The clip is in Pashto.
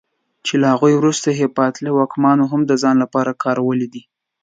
چې له هغوی وروسته هېپتالي واکمنو هم د ځان لپاره کارولی دی.